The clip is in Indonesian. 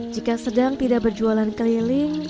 jika sedang tidak berjualan keliling